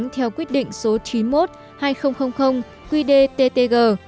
theo quyết định số một trăm bốn mươi hai hai nghìn tám qdttg